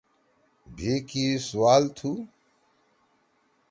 بھی کی سُوال تُھو؟